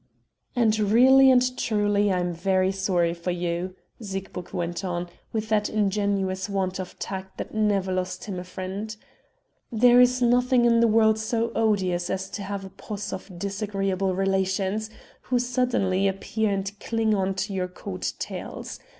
"And really and truly I am very sorry for you," Siegburg went on, with that ingenuous want of tact that never lost him a friend. "There is nothing in the world so odious as to have a posse of disagreeable relations who suddenly appear and cling on to your coat tails.